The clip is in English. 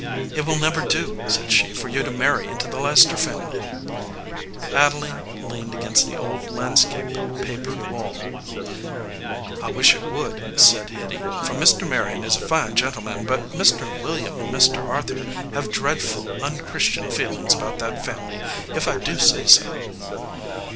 "It will never do !" said she, "for you to marry into the Leicester family." Adeline leaned against the old landscape papered wall. "I wish it would," said Hitty, "for Mr. Marion is a fine gentleman, but Mr. William and Mr. Ar thur have dreadful un Christian feelings about that family, if I do say so."